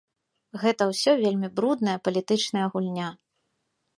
Гэта ўсё вельмі брудная палітычная гульня.